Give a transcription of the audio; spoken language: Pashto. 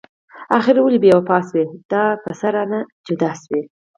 اخر ولې بې وفا شوي؟ دا په څه رانه جدا شوي؟